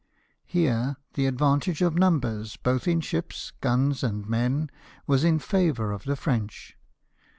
Here the advantage of numbers, both in ships, guns, and men, was in favour of the French.